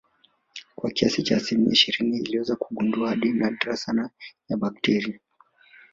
kwa kiasi cha asilimia ishirini aliweza kugundua aina nadra sana ya bakteria